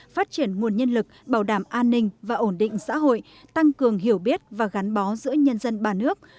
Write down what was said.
phát triển nguồn nhân lực bảo đảm an ninh và ổn định xã hội tăng cường hiểu biết và gắn bó giữa nhân dân ba nước